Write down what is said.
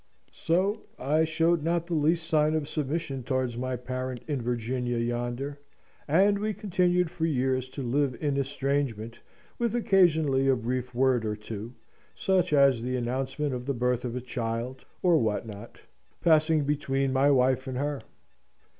So I showed not the least sign of submission towards my parent in Virginia yonder, and we continued for years to live in estrangement, with occasionally a brief word or two (such as the announcement of the birth of a child, or what not) passing between my wife and her.